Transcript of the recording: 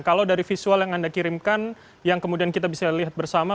kalau dari visual yang anda kirimkan yang kemudian kita bisa lihat bersama